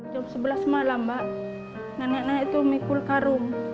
jam sebelas malam mbak nenek nenek itu mikul karung